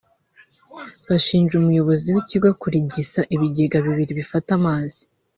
Bashinja umuyobozi w’Ikigo kurigisa ibigega bibiri bifata amazi